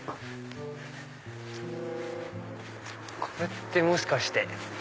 これってもしかして。